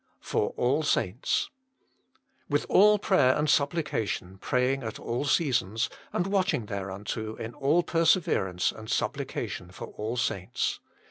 Jor nil ntnls "With all prayer and supplication praying at all seasons, and watching thereunto in all perseverance and supplication for all saints."